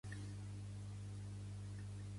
Pertany al moviment independentista la Carol?